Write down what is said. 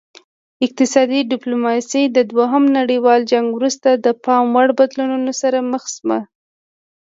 اقتصادي ډیپلوماسي د دوهم نړیوال جنګ وروسته د پام وړ بدلونونو سره مخ شوه